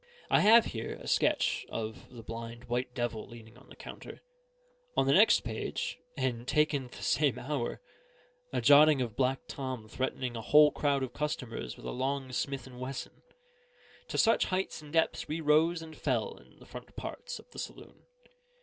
I have here a sketch of the Blind White Devil leaning on the counter; on the next page, and taken the same hour, a jotting of Black Tom threatening a whole crowd of customers with a long Smith and Wesson: to such heights and depths we rose and fell in the front parts of the saloon.